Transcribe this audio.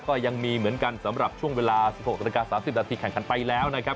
ก็ยังมีเหมือนกันสำหรับช่วงเวลา๑๖นาฬิกา๓๐นาทีแข่งขันไปแล้วนะครับ